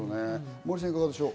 モーリーさんいかがでしょう？